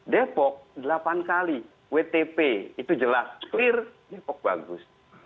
depok delapan kali wtp itu jelas clear depok bagus